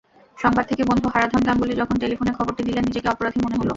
সংবাদ থেকে বন্ধু হারাধন গাঙ্গুলি যখন টেলিফোনে খবরটি দিলেন, নিজেকে অপরাধী মনে হলো।